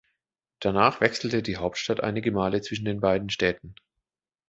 Danach wechselte die Hauptstadt einige Male zwischen den beiden Städten.